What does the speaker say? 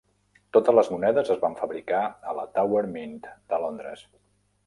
Totes les monedes es van fabricar a la Tower Mint de Londres.